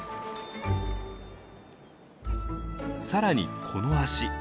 更にこの脚。